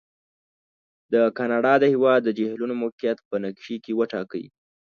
د کاناډا د هېواد د جهیلونو موقعیت په نقشې کې وټاکئ.